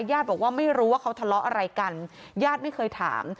ญาติบอกว่าไม่รู้ว่าเขาทะเลาะอะไรกันญาติไม่เคยถาม